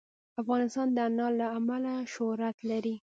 افغانستان د انار له امله شهرت لري.